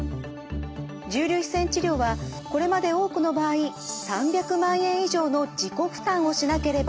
重粒子線治療はこれまで多くの場合３００万円以上の自己負担をしなければなりませんでした。